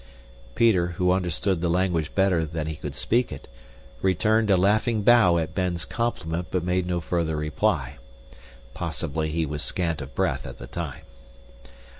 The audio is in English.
Peter, who understood the language better than he could speak it, returned a laughing bow at Ben's compliment but made no further reply. Possibly he was scant of breath at the time.